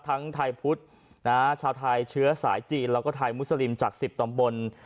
ทั้งไทยพุทธชาวไทยเชื้อสายจีนแล้วก็ไทยมุสลิมจาก๑๐ตำบล